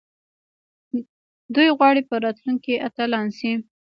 دوی غواړي په راتلونکي کې اتلان شي.